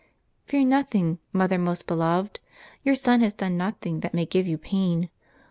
"Fear nothing, mother most beloved, your son has done nothing that may give you pain.